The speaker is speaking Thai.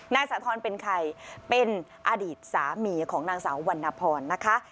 สาธรณ์เป็นใครเป็นอดีตสามีของนางสาววรรณพรนะคะ